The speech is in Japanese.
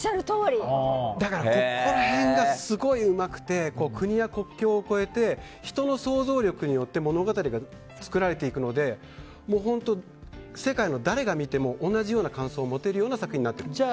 どこら辺がすごいうまくて国や国境を越えて人の想像力によって物語が作られていくので本当に世界の誰が見ても同じような感想を持てるような作品になっている。